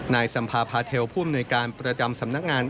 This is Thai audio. สัมภาพาเทลผู้อำนวยการประจำสำนักงาน